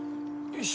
よし。